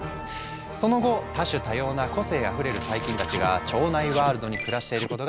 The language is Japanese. その後多種多様な個性あふれる細菌たちが腸内ワールドに暮らしていることが明らかになったの。